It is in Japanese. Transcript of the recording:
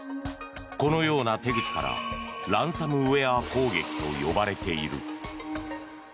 このような手口からランサムウェア攻撃と呼ばれている。